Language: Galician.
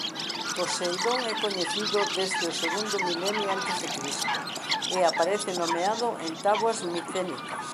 Poseidón é coñecido desde o segundo milenio a.C. e aparece nomeado en táboas micénicas.